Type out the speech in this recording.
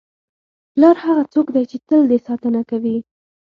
پلار هغه څوک دی چې تل دې ساتنه کوي.